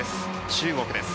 中国です。